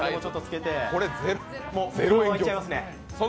このままいっちゃいますね。